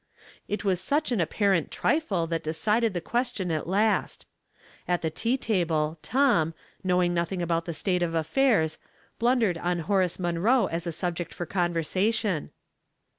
It was such an apparent trifle that decided the question at last. At the tea table Tom, knowing nothing about the state of affairs, blundered on Horace Munroe as a subject for conversation.